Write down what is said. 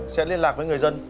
sẽ liên lạc với người dân